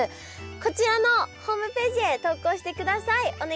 こちらのホームページへ投稿してください。